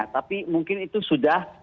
tapi mungkin itu sudah